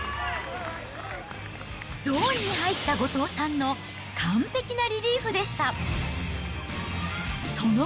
ゾーンに入った後藤さんの完璧なリリーフでした。